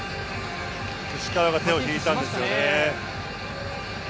石川が手を入れたんですね。